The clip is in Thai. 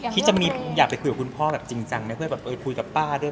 คิดจะมีอยากไปคุยกับคุณพ่อแบบจริงจังนะเพื่อแบบคุยกับป้าด้วย